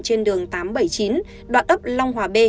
trên đường tám trăm bảy mươi chín đoạn ấp long hòa b